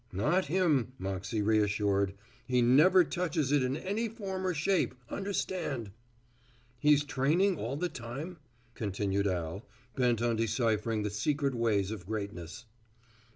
"Not him," Moxey reassured; "he never touches it in any form or shape, understand." "He's training all the time?" continued Al, bent on deciphering the secret ways of greatness.